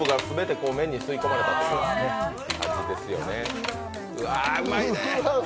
あのスープが全て麺に吸い込まれたという味ですよね。